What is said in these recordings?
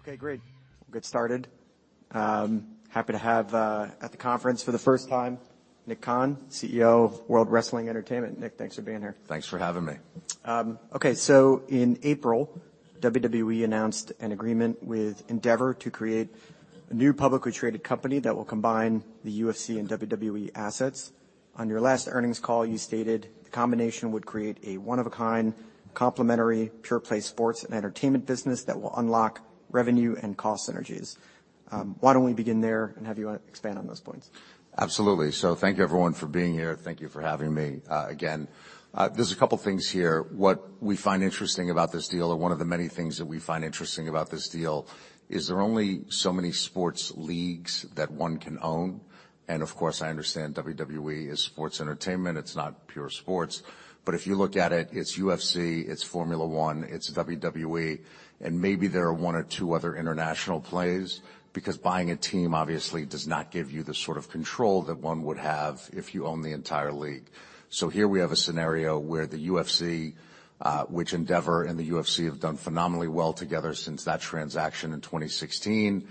Okay, great. We'll get started. Happy to have at the conference for the first time, Nick Khan, CEO of World Wrestling Entertainment. Nick, thanks for being here. Thanks for having me. Okay, in April, WWE announced an agreement with Endeavor to create a new publicly traded company that will combine the UFC and WWE assets. On your last earnings call, you stated the combination would create a one-of-a-kind complimentary pure play sports and entertainment business that will unlock revenue and cost synergies. Why don't we begin there and have you expand on those points? Absolutely. Thank you everyone for being here. Thank you for having me again. There's a couple things here. What we find interesting about this deal, or one of the many things that we find interesting about this deal, is there are only so many sports leagues that one can own. Of course, I understand WWE is sports entertainment. It's not pure sports. If you look at it's UFC, it's Formula One, it's WWE, and maybe there are one or two other international plays, because buying a team obviously does not give you the sort of control that one would have if you own the entire league. Here we have a scenario where the UFC, which Endeavor and the UFC have done phenomenally well together since that transaction in 2016,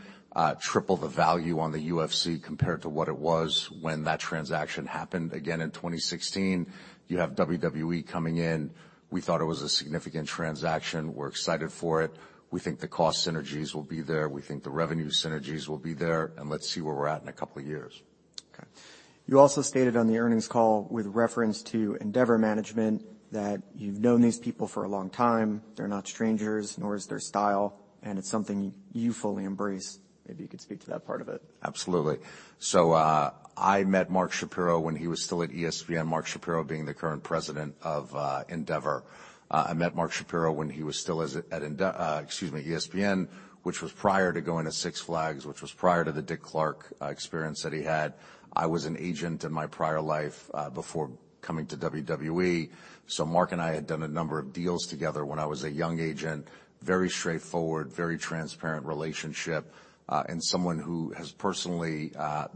triple the value on the UFC compared to what it was when that transaction happened again in 2016. You have WWE coming in. We thought it was a significant transaction. We're excited for it. We think the cost synergies will be there. We think the revenue synergies will be there, and let's see where we're at in a couple years. Okay. You also stated on the earnings call with reference to Endeavor Management that you've known these people for a long time. They're not strangers, nor is their style, and it's something you fully embrace. Maybe you could speak to that part of it. Absolutely. I met Mark Shapiro when he was still at ESPN, Mark Shapiro being the current President of Endeavor. I met Mark Shapiro when he was still at ESPN, which was prior to going to Six Flags, which was prior to the Dick Clark experience that he had. I was an agent in my prior life before coming to WWE. Mark and I had done a number of deals together when I was a young agent, very straightforward, very transparent relationship, and someone who has personally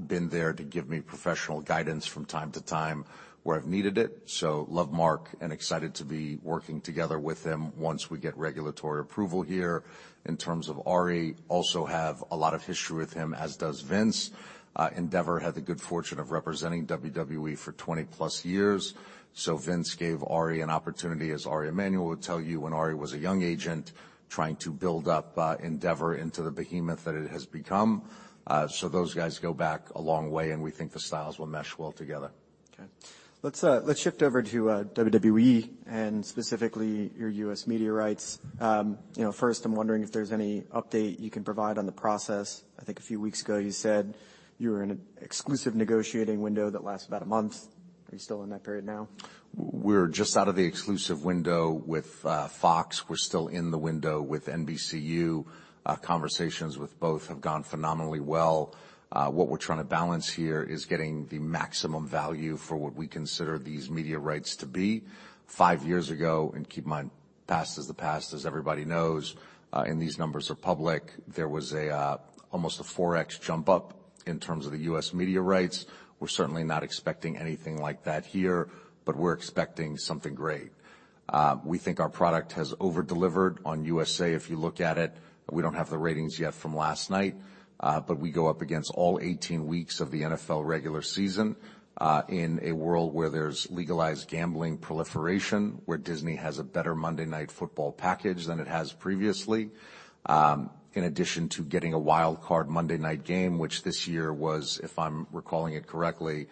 been there to give me professional guidance from time to time where I've needed it. Love Mark and excited to be working together with him once we get regulatory approval here. In terms of Ari, also have a lot of history with him, as does Vince. Endeavor had the good fortune of representing WWE for 20-plus years. Vince gave Ari an opportunity, as Ari Emanuel would tell you, when Ari was a young agent, trying to build up, Endeavor into the behemoth that it has become. Those guys go back a long way, and we think the styles will mesh well together. Okay. Let's let's shift over to WWE and specifically your U.S. media rights. You know, first, I'm wondering if there's any update you can provide on the process. I think a few weeks ago, you said you were in an exclusive negotiating window that lasts about a month. Are you still in that period now? We're just out of the exclusive window with Fox. We're still in the window with NBCU. Conversations with both have gone phenomenally well. What we're trying to balance here is getting the maximum value for what we consider these media rights to be. 5 years ago, keep in mind, past is the past, as everybody knows, these numbers are public. There was almost a 4x jump up in terms of the U.S. media rights. We're certainly not expecting anything like that here, we're expecting something great. We think our product has over-delivered on USA. If you look at it, we don't have the ratings yet from last night. We go up against all 18 weeks of the NFL regular season, in a world where there's legalized gambling proliferation, where Disney has a better Monday Night Football package than it has previously. In addition to getting a wildcard Monday night game, which this year was, if I'm recalling it correctly,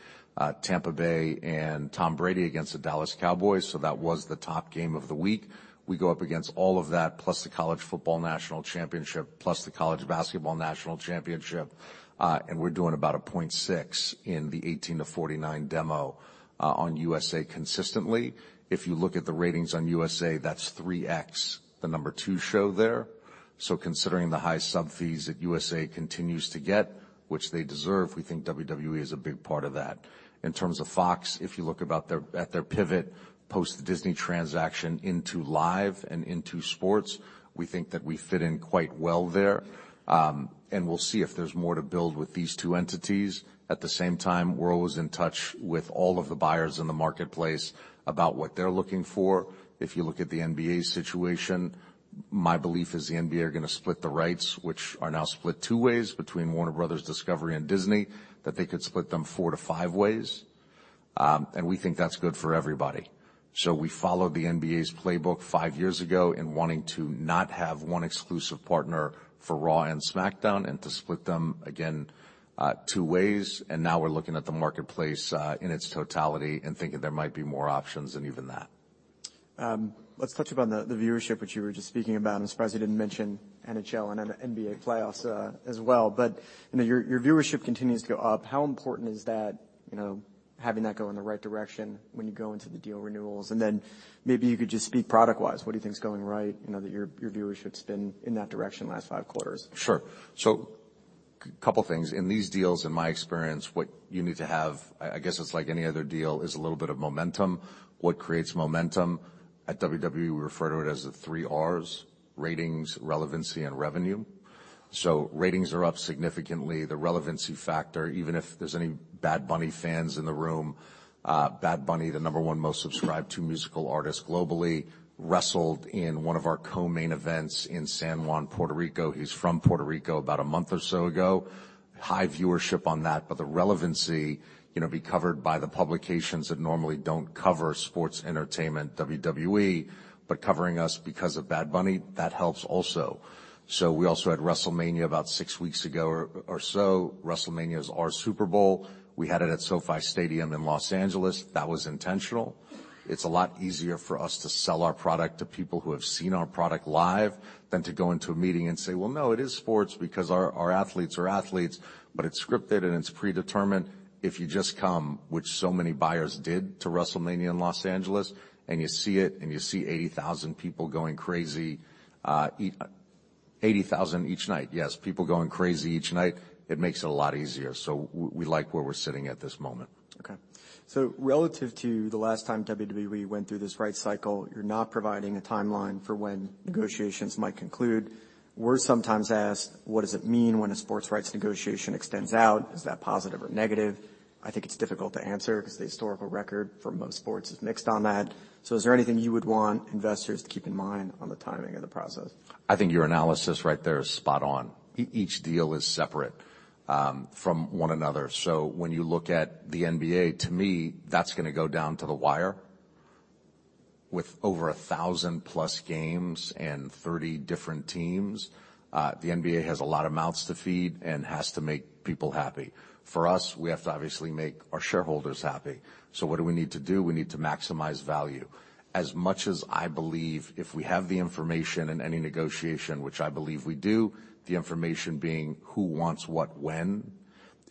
Tampa Bay and Tom Brady against the Dallas Cowboys. That was the top game of the week. We go up against all of that, plus the college football national championship, plus the college basketball national championship. We're doing about a 0.6 in the 18-49 demo, on USA consistently. If you look at the ratings on USA, that's 3x the number two show there. Considering the high sub fees that USA continues to get, which they deserve, we think WWE is a big part of that. In terms of Fox, if you look at their pivot post the Disney transaction into live and into sports, we think that we fit in quite well there. And we'll see if there's more to build with these 2 entities. At the same time, we're always in touch with all of the buyers in the marketplace about what they're looking for. If you look at the NBA situation, my belief is the NBA are gonna split the rights, which are now split 2 ways between Warner Bros. Discovery and Disney, that they could split them 4 to 5 ways. And we think that's good for everybody. We followed the NBA's playbook 5 years ago in wanting to not have 1 exclusive partner for Raw and SmackDown and to split them again, 2 ways. Now we're looking at the marketplace in its totality and thinking there might be more options than even that. Let's touch upon the viewership, which you were just speaking about. I'm surprised you didn't mention NHL and NBA playoffs as well. You know, your viewership continues to go up. How important is that, you know, having that go in the right direction when you go into the deal renewals? Then maybe you could just speak product-wise, what do you think is going right, you know, that your viewership's been in that direction the last five quarters? Sure. Couple things. In these deals, in my experience, what you need to have, I guess it's like any other deal, is a little bit of momentum. What creates momentum at WWE, we refer to it as the three Rs, ratings, relevancy, and revenue. Ratings are up significantly. The relevancy factor, even if there's any Bad Bunny fans in the room, Bad Bunny, the number one most subscribed-to musical artist globally, wrestled in one of our co-main events in San Juan, Puerto Rico. He's from Puerto Rico about a month or so ago. High viewership on that, but the relevancy, you know, be covered by the publications that normally don't cover sports entertainment, WWE, but covering us because of Bad Bunny, that helps also. We also had WrestleMania about 6 weeks ago or so. WrestleMania is our Super Bowl. We had it at SoFi Stadium in Los Angeles. That was intentional. It's a lot easier for us to sell our product to people who have seen our product live than to go into a meeting and say, "Well, no, it is sports because our athletes are athletes, but it's scripted and it's predetermined." If you just come, which so many buyers did to WrestleMania in Los Angeles, and you see it, and you see 80,000 people going crazy, 80,000 each night. Yes, people going crazy each night. It makes it a lot easier. We like where we're sitting at this moment. Okay. Relative to the last time WWE went through this rights cycle, you're not providing a timeline for when negotiations might conclude. We're sometimes asked, what does it mean when a sports rights negotiation extends out? Is that positive or negative? I think it's difficult to answer because the historical record for most sports is mixed on that. Is there anything you would want investors to keep in mind on the timing of the process? I think your analysis right there is spot on. Each deal is separate from one another. When you look at the NBA, to me, that's gonna go down to the wire. With over 1,000 plus games and 30 different teams, the NBA has a lot of mouths to feed and has to make people happy. For us, we have to obviously make our shareholders happy. What do we need to do? We need to maximize value. As much as I believe if we have the information in any negotiation, which I believe we do, the information being who wants what when.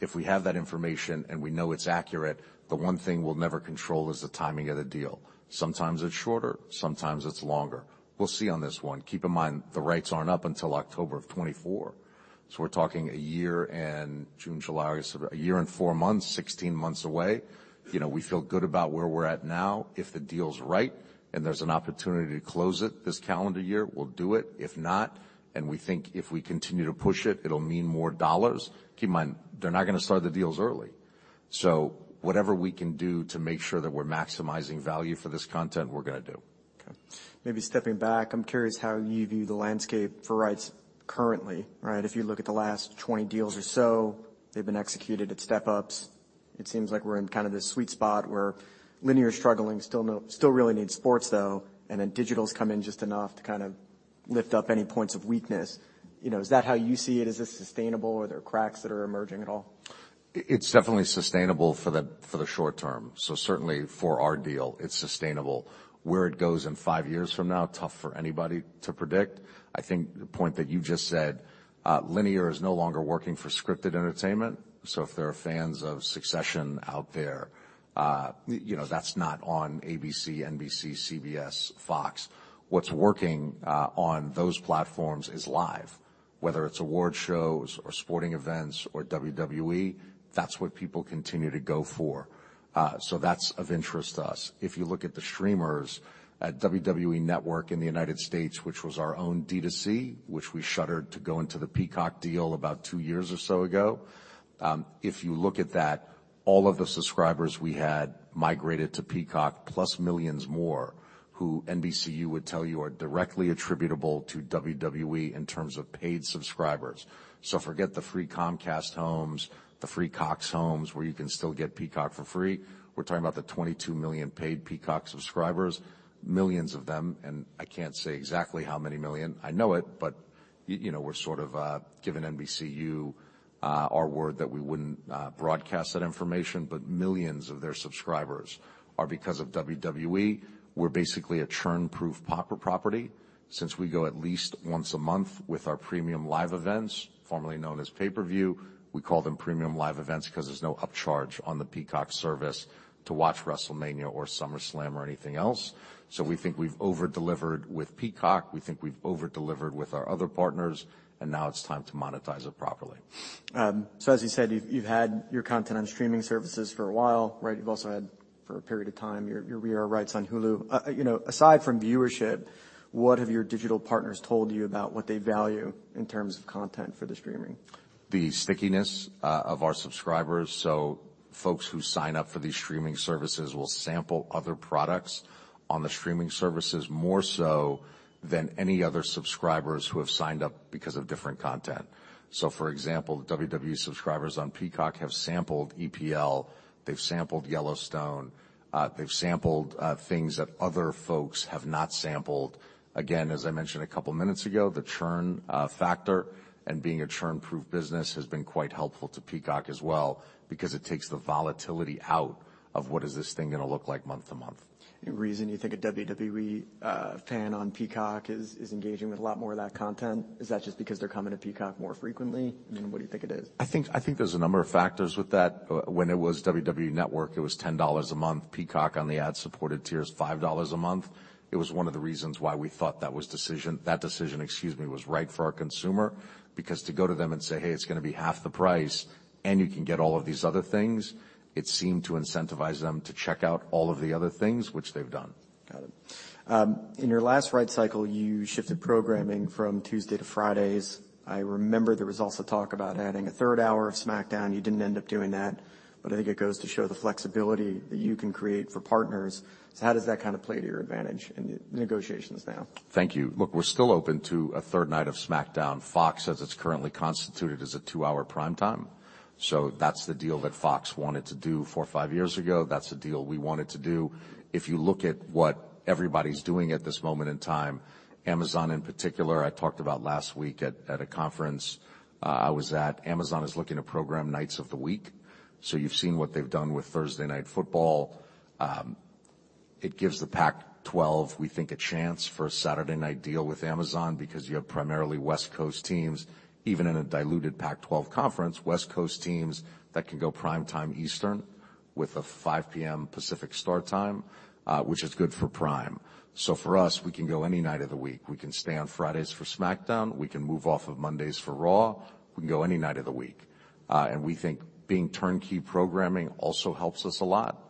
If we have that information and we know it's accurate, the one thing we'll never control is the timing of the deal. Sometimes it's shorter, sometimes it's longer. We'll see on this one. Keep in mind, the rights aren't up until October of 2024. We're talking a year and June, July, August, a year and 4 months, 16 months away. You know, we feel good about where we're at now. If the deal's right and there's an opportunity to close it this calendar year, we'll do it. If not, we think if we continue to push it'll mean more dollars. Keep in mind, they're not gonna start the deals early. Whatever we can do to make sure that we're maximizing value for this content, we're gonna do. Okay. Maybe stepping back, I'm curious how you view the landscape for rights currently, right? If you look at the last 20 deals or so, they've been executed at step ups. It seems like we're in kind of this sweet spot where linear is struggling, still really need sports, though. Then digital's come in just enough to kind of lift up any points of weakness. You know, is that how you see it? Is this sustainable, or are there cracks that are emerging at all? It's definitely sustainable for the short term. Certainly for our deal, it's sustainable. Where it goes in 5 years from now, tough for anybody to predict. I think the point that you just said, linear is no longer working for scripted entertainment. If there are fans of Succession out there, you know, that's not on ABC, NBC, CBS, Fox. What's working on those platforms is live, whether it's award shows or sporting events or WWE, that's what people continue to go for. That's of interest to us. If you look at the streamers at WWE Network in the United States, which was our own D2C, which we shuttered to go into the Peacock deal about 2 years or so ago. If you look at that, all of the subscribers we had migrated to Peacock, plus millions more who NBCU would tell you are directly attributable to WWE in terms of paid subscribers. Forget the free Comcast homes, the free Cox homes, where you can still get Peacock for free. We're talking about the 22 million paid Peacock subscribers, millions of them, and I can't say exactly how many million. I know it, but, you know, we're sort of giving NBCU our word that we wouldn't broadcast that information, but millions of their subscribers are because of WWE. We're basically a churn-proof property. Since we go at least once a month with our Premium Live Events, formerly known as pay-per-view, we call them Premium Live Events 'cause there's no upcharge on the Peacock service to watch WrestleMania or SummerSlam or anything else. We think we've over-delivered with Peacock. We think we've over-delivered with our other partners, and now it's time to monetize it properly. As you said, you've had your content on streaming services for a while, right? You've also had for a period of time, your VR rights on Hulu. You know, aside from viewership, what have your digital partners told you about what they value in terms of content for the streaming? The stickiness of our subscribers, folks who sign up for these streaming services will sample other products on the streaming services more so than any other subscribers who have signed up because of different content. For example, WWE subscribers on Peacock have sampled EPL, they've sampled Yellowstone, they've sampled things that other folks have not sampled. Again, as I mentioned a couple of minutes ago, the churn factor and being a churn-proof business has been quite helpful to Peacock as well because it takes the volatility out of what is this thing gonna look like month to month. Any reason you think a WWE fan on Peacock is engaging with a lot more of that content? Is that just because they're coming to Peacock more frequently? You know, what do you think it is? I think there's a number of factors with that. When it was WWE Network, it was $10 a month. Peacock on the ad-supported tier is $5 a month. It was one of the reasons why we thought that decision, excuse me, was right for our consumer. Because to go to them and say, "Hey, it's gonna be half the price, and you can get all of these other things," it seemed to incentivize them to check out all of the other things which they've done. Got it. In your last rights cycle, you shifted programming from Tuesday to Fridays. I remember there was also talk about adding a third hour of SmackDown. You didn't end up doing that, but I think it goes to show the flexibility that you can create for partners. How does that kind of play to your advantage in negotiations now? Thank you. Look, we're still open to a third night of SmackDown. Fox, as it's currently constituted, is a two-hour prime time. That's the deal that Fox wanted to do four, five years ago. That's the deal we wanted to do. If you look at what everybody's doing at this moment in time, Amazon in particular, I talked about last week at a conference I was at, Amazon is looking to program nights of the week. You've seen what they've done with Thursday Night Football. It gives the Pac-12, we think a chance for a Saturday night deal with Amazon because you have primarily West Coast teams, even in a diluted Pac-12 conference, West Coast teams that can go prime time Eastern with a 5:00 P.M. Pacific start time, which is good for prime. For us, we can go any night of the week. We can stay on Fridays for SmackDown. We can move off of Mondays for Raw. We can go any night of the week. We think being turnkey programming also helps us a lot.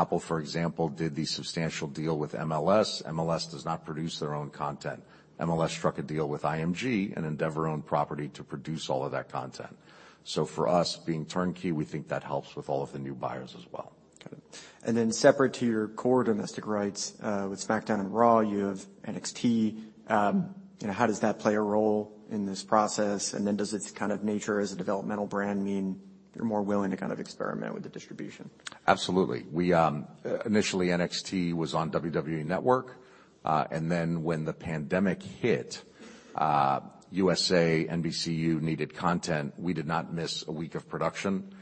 Apple, for example, did the substantial deal with MLS. MLS does not produce their own content. MLS struck a deal with IMG, an Endeavor-owned property, to produce all of that content. For us, being turnkey, we think that helps with all of the new buyers as well. Got it. Then separate to your core domestic rights, with SmackDown and Raw, you have NXT. You know, how does that play a role in this process? Then does its kind of nature as a developmental brand mean you're more willing to kind of experiment with the distribution? Absolutely. We initially NXT was on WWE Network. When the pandemic hit, USA, NBCU needed content. We did not miss a week of production.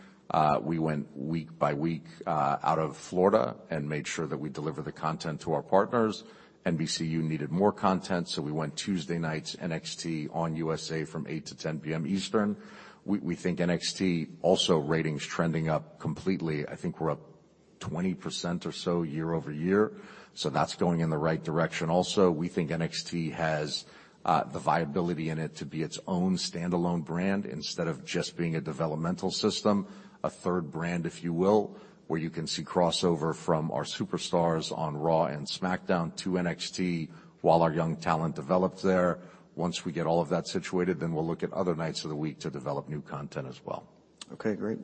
We went week by week out of Florida and made sure that we deliver the content to our partners. NBCU needed more content. We went Tuesday nights, NXT on USA from 8:00 P.M. to 10:00 P.M. Eastern. We think NXT also ratings trending up completely. I think we're up 20% or so year-over-year. That's going in the right direction. We think NXT has the viability in it to be its own standalone brand instead of just being a developmental system. A third brand, if you will, where you can see crossover from our superstars on Raw and SmackDown to NXT while our young talent develops there. Once we get all of that situated, then we'll look at other nights of the week to develop new content as well. Okay, great.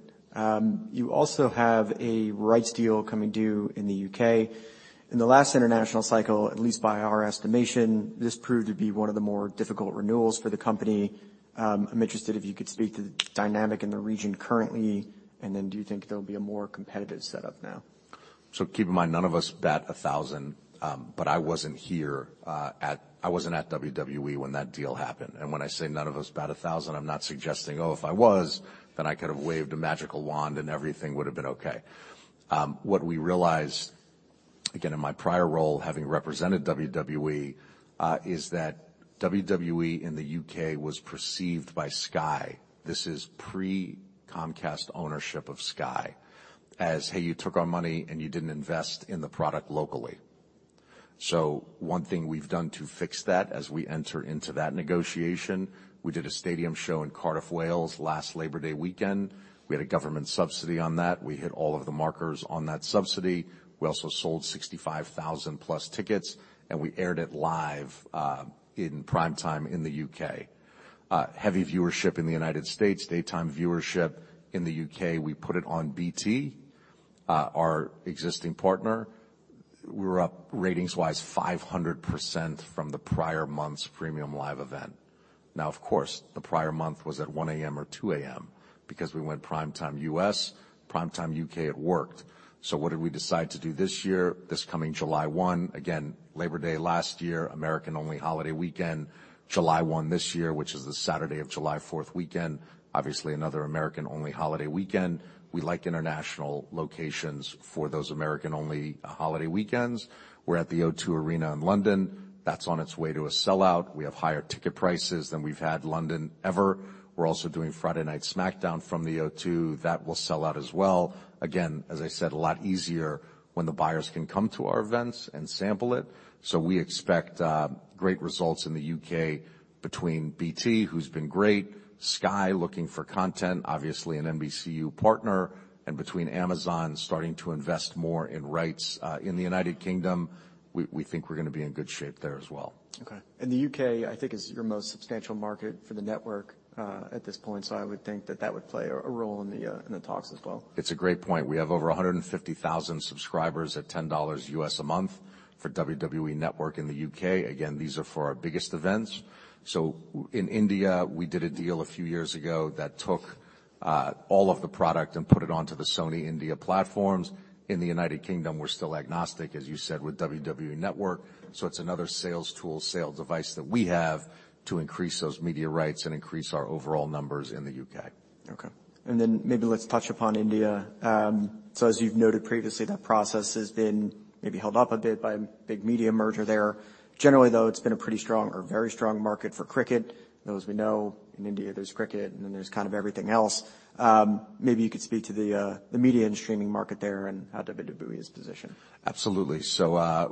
You also have a rights deal coming due in the U.K. In the last international cycle, at least by our estimation, this proved to be one of the more difficult renewals for the company. I'm interested if you could speak to the dynamic in the region currently. Do you think there'll be a more competitive setup now? Keep in mind, none of us bat 1,000, but I wasn't at WWE when that deal happened. When I say none of us bat 1,000, I'm not suggesting, "Oh, if I was, then I could have waved a magical wand and everything would have been okay." What we realized, again, in my prior role, having represented WWE, is that WWE in the U.K. was perceived by Sky. This is pre Comcast ownership of Sky. As, "Hey, you took our money and you didn't invest in the product locally." One thing we've done to fix that as we enter into that negotiation, we did a stadium show in Cardiff, Wales last Labor Day weekend. We had a government subsidy on that. We hit all of the markers on that subsidy. We also sold 65,000+ tickets, and we aired it live in prime time in the U.K. Heavy viewership in the U.S., daytime viewership in the U.K. We put it on BT, our existing partner. We're up, ratings-wise, 500% from the prior month's Premium Live Event. Of course, the prior month was at 1:00 A.M. or 2:00 A.M. because we went prime time U.S., prime time U.K., it worked. What did we decide to do this year, this coming July 1? Labor Day last year, American only holiday weekend. July 1 this year, which is the Saturday of July 4th weekend. Another American only holiday weekend. We like international locations for those American only holiday weekends. We're at the O2 Arena in London. That's on its way to a sellout. We have higher ticket prices than we've had London ever. We're also doing Friday Night SmackDown from the O2. That will sell out as well. Again, as I said, a lot easier when the buyers can come to our events and sample it. We expect great results in the UK between BT, who's been great, Sky, looking for content, obviously an NBCUniversal partner, and between Amazon starting to invest more in rights in the United Kingdom, we think we're gonna be in good shape there as well. Okay. The U.K., I think is your most substantial market for the network, at this point. I would think that that would play a role in the talks as well. It's a great point. We have over 150,000 subscribers at $10 U.S. a month for WWE Network in the UK. Again, these are for our biggest events. In India, we did a deal a few years ago that took all of the product and put it onto the Sony India platforms. In the United Kingdom, we're still agnostic, as you said, with WWE Network, it's another sales tool, sales device that we have to increase those media rights and increase our overall numbers in the UK. Okay. Maybe let's touch upon India. As you've noted previously, that process has been maybe held up a bit by a big media merger there. Generally, though, it's been a pretty strong or very strong market for cricket. Those we know in India, there's cricket, and then there's kind of everything else. Maybe you could speak to the media and streaming market there and how WWE is positioned. Absolutely.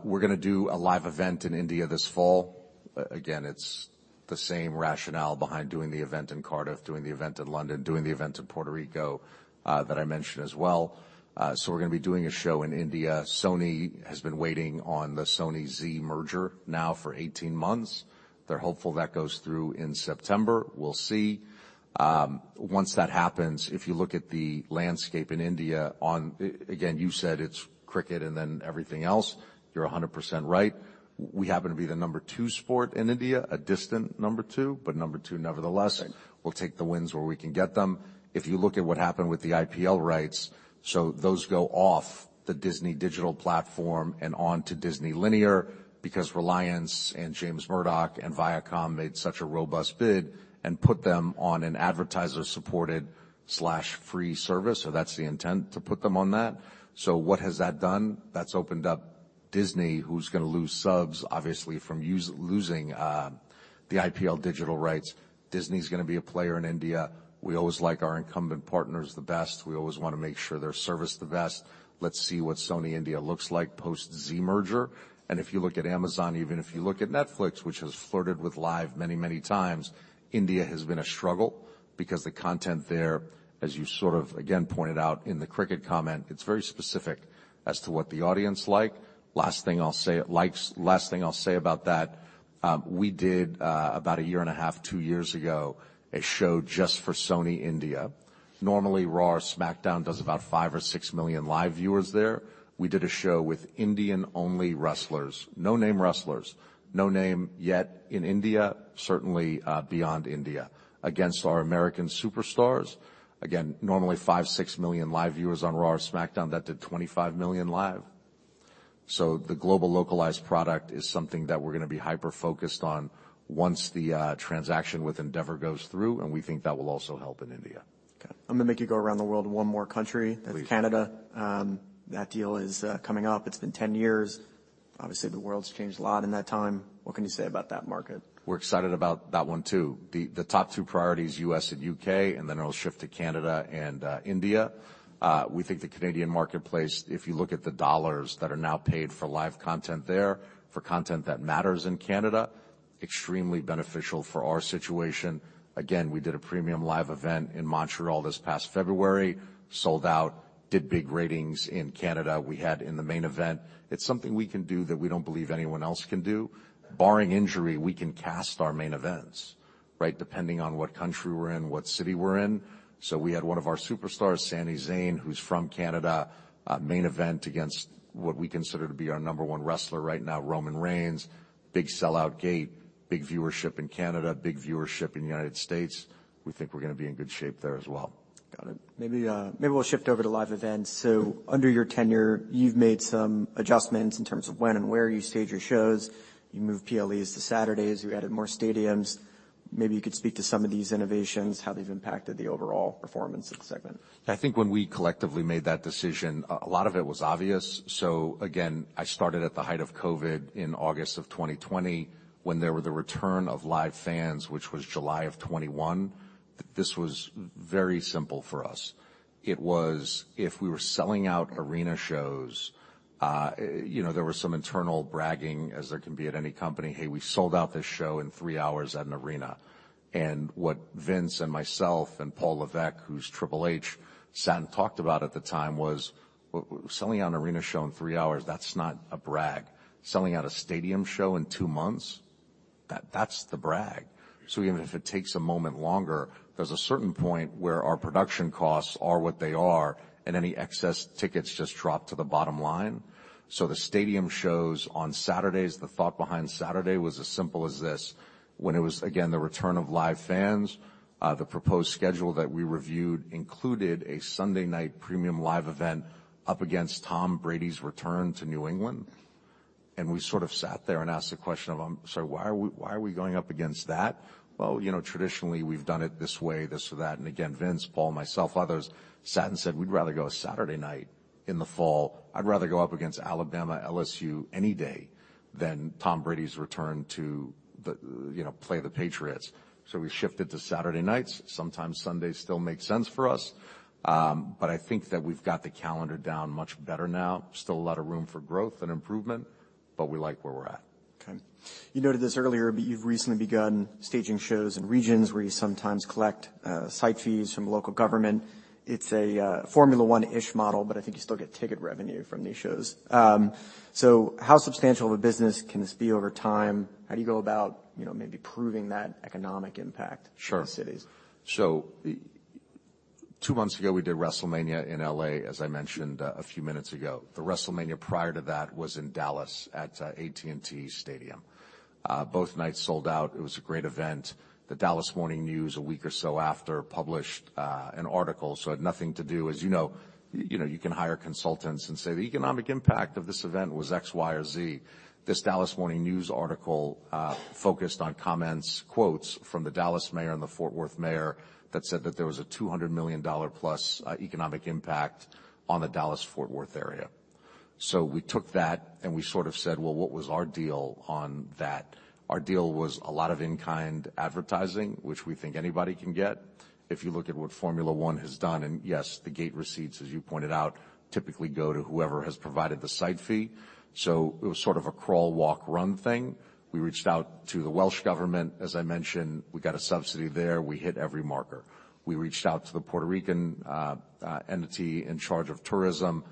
We're gonna do a live event in India this fall. Again, it's the same rationale behind doing the event in Cardiff, doing the event in London, doing the event in Puerto Rico, that I mentioned as well. We're gonna be doing a show in India. Sony has been waiting on the Sony-Zee merger now for 18 months. They're hopeful that goes through in September. We'll see. Once that happens, if you look at the landscape in India, again, you said it's cricket and then everything else. You're 100% right. We happen to be the number two sport in India, a distant number two, but number two, nevertheless. Right. We'll take the wins where we can get them. If you look at what happened with the IPL rights, those go off the Disney digital platform and on to Disney linear because Reliance and James Murdoch and Viacom made such a robust bid and put them on an advertiser-supported/free service. That's the intent to put them on that. What has that done? That's opened up Disney, who's gonna lose subs, obviously, from losing the IPL digital rights. Disney's gonna be a player in India. We always like our incumbent partners the best. We always wanna make sure their service the best. Let's see what Sony India looks like post Zee merger. If you look at Amazon, even if you look at Netflix, which has flirted with live many, many times, India has been a struggle because the content there, as you sort of again pointed out in the cricket comment, it's very specific as to what the audience like. Last thing I'll say about that, we did about a year and a half, 2 years ago, a show just for Sony India. Normally, Raw or SmackDown does about 5 or 6 million live viewers there. We did a show with Indian-only wrestlers. No-name wrestlers. No name yet in India, certainly, beyond India, against our American superstars. Again, normally 5 or 6 million live viewers on Raw or SmackDown, that did 25 million live. The global localized product is something that we're gonna be hyper-focused on once the transaction with Endeavor goes through, and we think that will also help in India. Okay. I'm gonna make you go around the world one more country. Please. That's Canada. That deal is coming up. It's been 10 years. Obviously, the world's changed a lot in that time. What can you say about that market? We're excited about that one too. The top 2 priorities, U.S. and U.K. It'll shift to Canada and India. We think the Canadian marketplace, if you look at the dollars that are now paid for live content there, for content that matters in Canada, extremely beneficial for our situation. Again, we did a Premium Live Event in Montreal this past February, sold out, did big ratings in Canada. We had in the main event. It's something we can do that we don't believe anyone else can do. Barring injury, we can cast our main events, right? Depending on what country we're in, what city we're in. We had one of our superstars, Sami Zayn, who's from Canada, main event against what we consider to be our number 1 wrestler right now, Roman Reigns. Big sellout gate, big viewership in Canada, big viewership in the United States. We think we're gonna be in good shape there as well. Got it. Maybe we'll shift over to live events. Under your tenure, you've made some adjustments in terms of when and where you stage your shows. You moved PLEs to Saturdays, you added more stadiums. Maybe you could speak to some of these innovations, how they've impacted the overall performance of the segment. I think when we collectively made that decision, a lot of it was obvious. Again, I started at the height of COVID in August of 2020 when there were the return of live fans, which was July of 2021. This was very simple for us. It was if we were selling out arena shows, you know, there was some internal bragging as there can be at any company, "Hey, we sold out this show in 3 hours at an arena." What Vince and myself and Paul Levesque, who's Triple H sat and talked about at the time was selling out an arena show in 3 hours, that's not a brag. Selling out a stadium show in 2 months, that's the brag. Even if it takes a moment longer, there's a certain point where our production costs are what they are, and any excess tickets just drop to the bottom line. The stadium shows on Saturdays, the thought behind Saturday was as simple as this. When it was, again, the return of live fans, the proposed schedule that we reviewed included a Sunday night Premium Live Event up against Tom Brady's return to New England, and we sort of sat there and asked the question of, "Why are we going up against that?" You know, traditionally, we've done it this way, this or that, and again, Vince, Paul, myself, others sat and said, "We'd rather go a Saturday night in the fall. I'd rather go up against Alabama, LSU any day than Tom Brady's return to the, you know, play the Patriots." We shifted to Saturday nights. Sometimes Sundays still make sense for us, but I think that we've got the calendar down much better now. Still a lot of room for growth and improvement, but we like where we're at. Okay. You noted this earlier, you've recently begun staging shows in regions where you sometimes collect site fees from the local government. It's a Formula One-ish model, but I think you still get ticket revenue from these shows. How substantial of a business can this be over time? How do you go about, you know, maybe proving that economic impact? Sure For cities? Two months ago, we did WrestleMania in L.A., as I mentioned a few minutes ago. The WrestleMania prior to that was in Dallas at AT&T Stadium. Both nights sold out. It was a great event. The Dallas Morning News, a week or so after, published an article, so it had nothing to do. As you know, you know, you can hire consultants and say, "The economic impact of this event was X, Y, or Z." This Dallas Morning News article focused on comments, quotes from the Dallas mayor and the Fort Worth mayor that said that there was a $200 million+ economic impact on the Dallas-Fort Worth area. We took that and we sort of said, "Well, what was our deal on that?" Our deal was a lot of in-kind advertising, which we think anybody can get. If you look at what Formula One has done, yes, the gate receipts, as you pointed out, typically go to whoever has provided the site fee. It was sort of a crawl, walk, run thing. We reached out to the Welsh Government. As I mentioned, we got a subsidy there. We hit every marker. We reached out to the Puerto Rican entity in charge of tourism,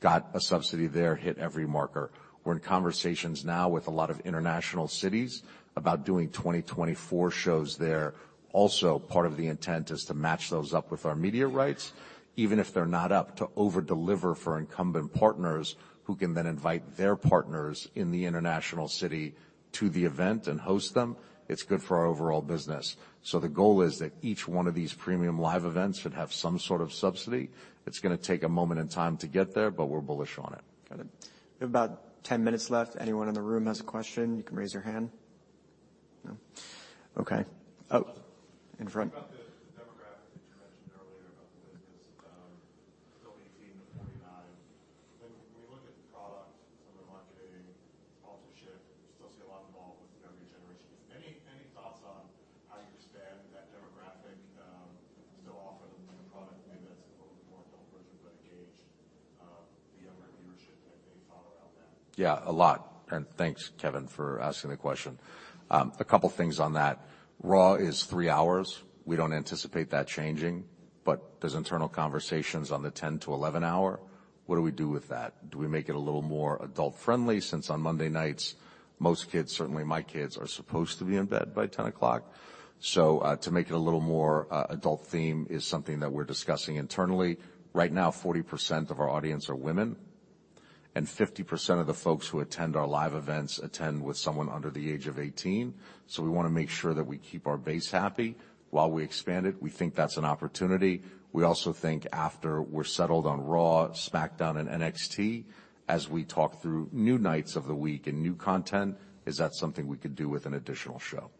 got a subsidy there, hit every marker. We're in conversations now with a lot of international cities about doing 2024 shows there. Part of the intent is to match those up with our media rights, even if they're not up to over-deliver for incumbent partners who can then invite their partners in the international city Yeah, a lot. Thanks, Kevin, for asking the question. A couple things on that. Raw is 3 hours. We don't anticipate that changing, but there's internal conversations on the 10-11 hour. What do we do with that? Do we make it a little more adult friendly since on Monday nights, most kids, certainly my kids, are supposed to be in bed by 10 o'clock. To make it a little more adult theme is something that we're discussing internally. Right now, 40% of our audience are women, and 50% of the folks who attend our live events attend with someone under the age of 18. We wanna make sure that we keep our base happy while we expand it. We think that's an opportunity. We also think after we're settled on Raw, SmackDown, and NXT, as we talk through new nights of the week and new content, is that something we could do with an additional show.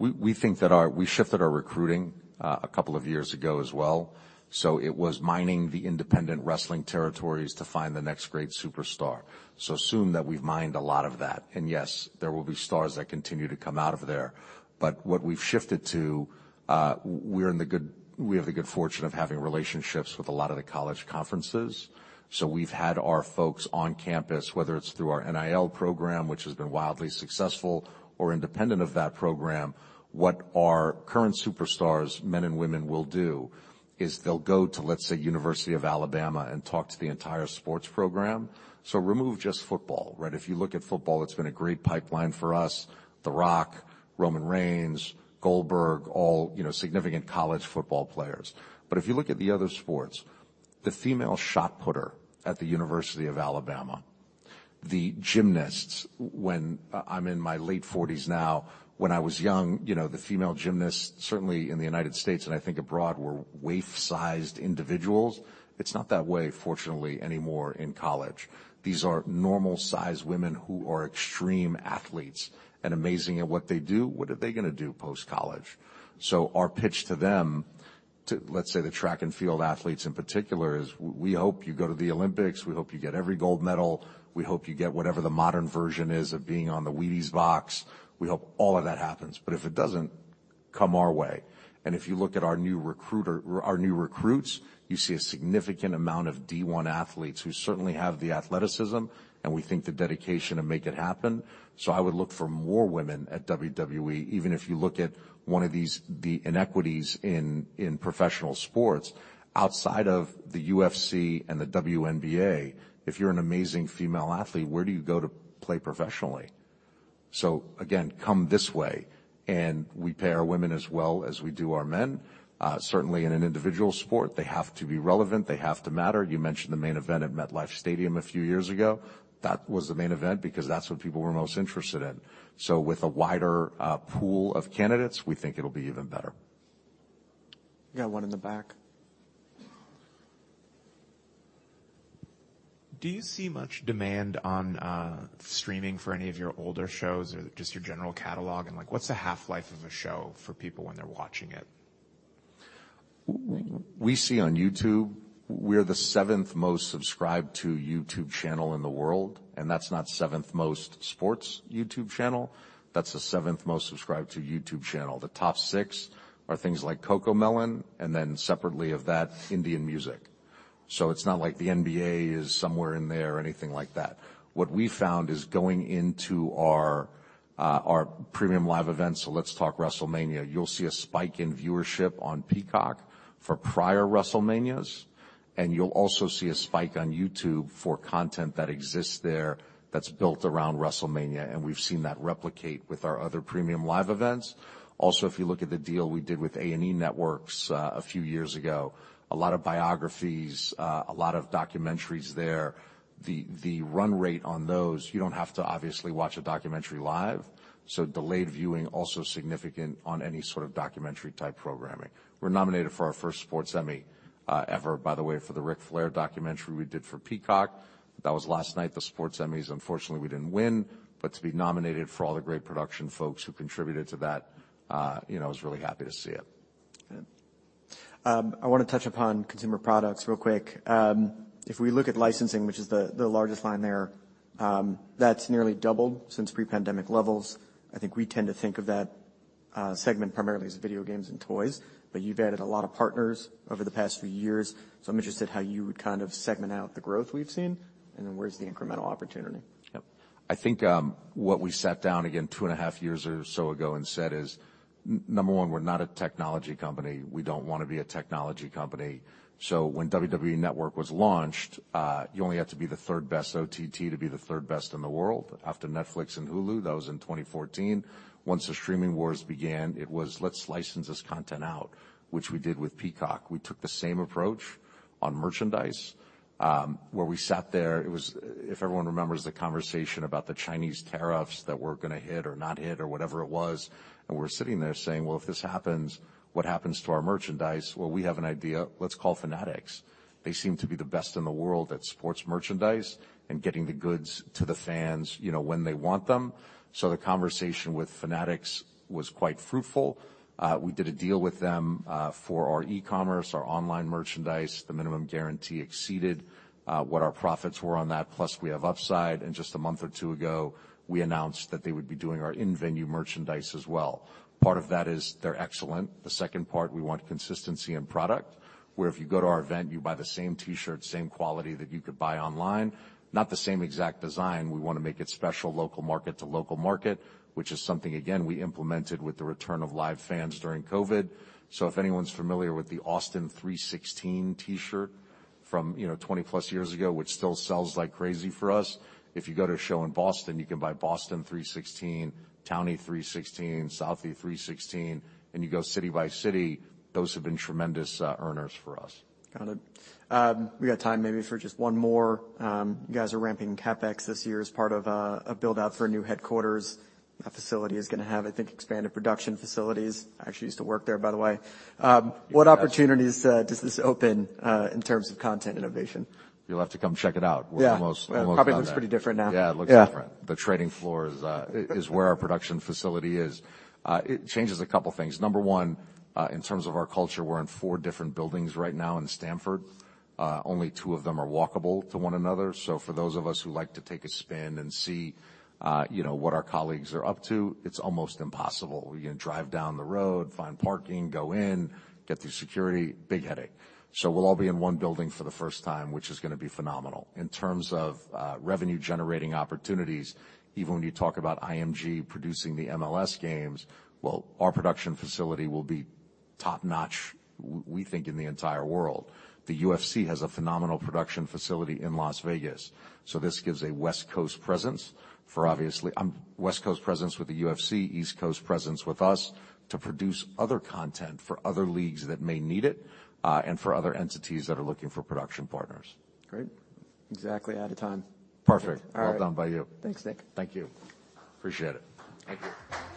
Okay. Just one follow-up on that, because you just mentioned about the women. Can you talk a little bit about the strategy around the women's brand and kind of what that's gonna look like going forward, given what you just did? Obviously, you know, it's changed since calling it 2018 when you did WWE WrestleMania event. What does that kinda look like going forward in terms of women? We think we shifted our recruiting a couple of years ago as well. It was mining the independent wrestling territories to find the next great superstar. Assume that we've mined a lot of that. Yes, there will be stars that continue to come out of there, but what we've shifted to, we have the good fortune of having relationships with a lot of the college conferences. We've had our folks on campus, whether it's through our NIL program, which has been wildly successful, or independent of that program, what our current superstars, men and women, will do is they'll go to, let's say, University of Alabama and talk to the entire sports program. Remove just football, right? If you look at football, it's been a great pipeline for us. The Rock, Roman Reigns, Goldberg, all, you know, significant college football players. If you look at the other sports, the female shot putter at The University of Alabama, the gymnasts. I'm in my late forties now. When I was young, you know, the female gymnasts, certainly in the United States, and I think abroad, were waif-sized individuals. It's not that way, fortunately, anymore in college. These are normal-sized women who are extreme athletes and amazing at what they do. What are they gonna do post-college? Our pitch to them to, let's say, the track and field athletes in particular, is we hope you go to the Olympics. We hope you get every gold medal. We hope you get whatever the modern version is of being on the Wheaties box. We hope all of that happens, if it doesn't, come our way. If you look at our new recruits, you see a significant amount of D1 athletes who certainly have the athleticism, and we think the dedication to make it happen. I would look for more women at WWE. Even if you look at the inequities in professional sports. Outside of the UFC and the WNBA, if you're an amazing female athlete, where do you go to play professionally? Again, come this way, and we pay our women as well as we do our men. Certainly in an individual sport, they have to be relevant. They have to matter. You mentioned the main event at MetLife Stadium a few years ago. That was the main event because that's what people were most interested in. With a wider pool of candidates, we think it'll be even better. We got one in the back. Do you see much demand on, streaming for any of your older shows or just your general catalog? Like, what's the half-life of a show for people when they're watching it? We see on YouTube, we're the seventh most subscribed to YouTube channel in the world. That's not seventh most sports YouTube channel. That's the seventh most subscribed to YouTube channel. The top six are things like Cocomelon and then separately of that, Indian music. It's not like the NBA is somewhere in there or anything like that. What we found is going into our Premium Live Events, so let's talk WrestleMania. You'll see a spike in viewership on Peacock for prior WrestleManias, and you'll also see a spike on YouTube for content that exists there that's built around WrestleMania. We've seen that replicate with our other Premium Live Events. If you look at the deal we did with A&E Networks, a few years ago, a lot of biographies, a lot of documentaries there. The run rate on those, you don't have to obviously watch a documentary live. Delayed viewing also significant on any sort of documentary-type programming. We're nominated for our first Sports Emmy ever, by the way, for the Ric Flair documentary we did for Peacock. That was last night, the Sports Emmys. Unfortunately, we didn't win, but to be nominated for all the great production folks who contributed to that, you know, I was really happy to see it. Okay. I wanna touch upon consumer products real quick. If we look at licensing, which is the largest line there, that's nearly doubled since pre-pandemic levels. I think we tend to think of that segment primarily as video games and toys, but you've added a lot of partners over the past few years. I'm interested how you would kind of segment out the growth we've seen, and then where's the incremental opportunity? Yep. I think, what we sat down again 2.5 years or so ago and said is number one, we're not a technology company. We don't wanna be a technology company. When WWE Network was launched, you only had to be the third best OTT to be the third best in the world after Netflix and Hulu. That was in 2014. Once the streaming wars began, it was, "Let's license this content out," which we did with Peacock. We took the same approach on merchandise, where we sat there. If everyone remembers the conversation about the Chinese tariffs that were gonna hit or not hit or whatever it was, and we're sitting there saying, "Well, if this happens, what happens to our merchandise? Well, we have an idea. Let's call Fanatics. They seem to be the best in the world at sports merchandise and getting the goods to the fans, you know, when they want them. The conversation with Fanatics was quite fruitful. We did a deal with them for our e-commerce, our online merchandise. The minimum guarantee exceeded what our profits were on that. Plus, we have upside, and just a month or two ago, we announced that they would be doing our in-venue merchandise as well. Part of that is they're excellent. The second part, we want consistency in product, where if you go to our event, you buy the same T-shirt, same quality that you could buy online. Not the same exact design. We wanna make it special, local market to local market, which is something, again, we implemented with the return of live fans during COVID. If anyone's familiar with the Austin 3:16 T-shirt from, you know, 20+ years ago, which still sells like crazy for us, if you go to a show in Boston, you can buy Boston 3:16, Townie 3:16, Southie 3:16, and you go city by city. Those have been tremendous earners for us. Got it. We got time maybe for just one more. You guys are ramping CapEx this year as part of a build-out for a new headquarters. That facility is gonna have, I think, expanded production facilities. I actually used to work there, by the way. What opportunities does this open in terms of content innovation? You'll have to come check it out. Yeah. We're almost done there. It probably looks pretty different now. Yeah, it looks different. Yeah. The trading floor is where our production facility is. It changes a couple things. Number one, in terms of our culture, we're in four different buildings right now in Stamford. Only two of them are walkable to one another. For those of us who like to take a spin and see, you know, what our colleagues are up to, it's almost impossible. You drive down the road, find parking, go in, get through security. Big headache. We'll all be in one building for the first time, which is gonna be phenomenal. In terms of revenue-generating opportunities, even when you talk about IMG producing the MLS games, well, our production facility will be top-notch we think in the entire world. The UFC has a phenomenal production facility in Las Vegas, so this gives a West Coast presence for obviously. West Coast presence with the UFC, East Coast presence with us to produce other content for other leagues that may need it, and for other entities that are looking for production partners. Great. Exactly out of time. Perfect. All right. Well done by you. Thanks, Nick. Thank you. Appreciate it. Thank you.